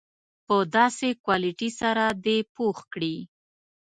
په داسې کوالیټي سره دې پوخ کړي.